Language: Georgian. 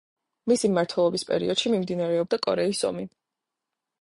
მისი მმართველობის პრეიოდში მიმდინარეობდა კორეის ომი.